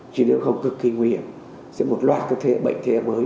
chỉ nếu không cực kỳ nguy hiểm sẽ một loạt các bệnh thế hệ mới